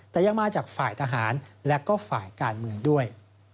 แต่ยักษ์มากจากฝ่ายทหารและฝ่ายการมือด้วย